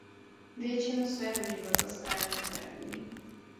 Většinu svého života strávil v Berlíně.